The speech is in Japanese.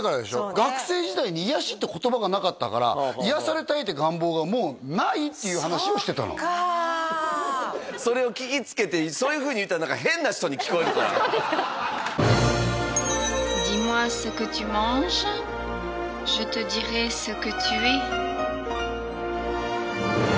学生時代に癒やしって言葉がなかったから癒やされたいって願望がもうないっていう話をしてたのそっかあそれを聞きつけてそういうふうに言ったら何か変な人に聞こえるからそうですか女将はどうですか？